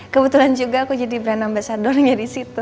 kebetulan juga aku jadi brand ambasadornya disitu